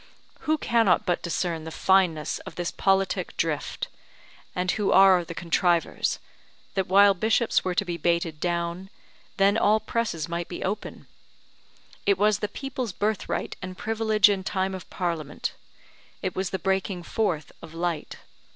Who cannot but discern the fineness of this politic drift, and who are the contrivers; that while bishops were to be baited down, then all presses might be open; it was the people's birthright and privilege in time of Parliament, it was the breaking forth of light.